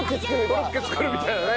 コロッケ作るみたいなね。